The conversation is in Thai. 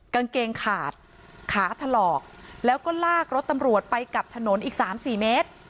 กางเกงขาดขาถลอกแล้วก็ลากรถตำรวจไปกับถนนอีก๓๔เมตร